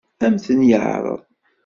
Ad m-ten-yeɛṛeḍ?